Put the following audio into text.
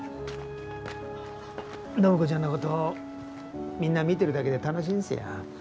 暢子ちゃんのことみんな見てるだけで楽しいんですよ。